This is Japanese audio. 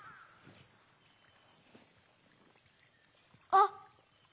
あっ！